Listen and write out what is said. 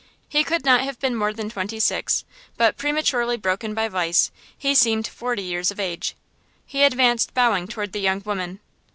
He could not have been more than twenty six, but, prematurely broken by vice, he seemed forty years of age. He advanced bowing toward the young women.